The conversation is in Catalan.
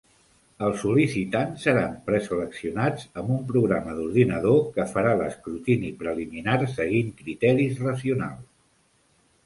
Els sol·licitants seran preseleccionats amb un programa d'ordinador que farà l'escrutini preliminar seguint criteris racionals.